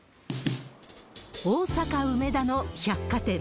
大阪・梅田の百貨店。